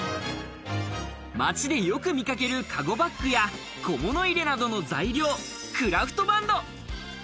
街でよく見かけるかごバッグや、小物入れなどの材料、クラフトバンド。